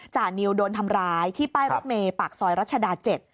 จานิวโดนทำร้ายที่ป้ายรถเมย์ปากซอยรัชดา๗